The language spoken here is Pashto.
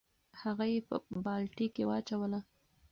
هغه یې په بالټي کې واچوله.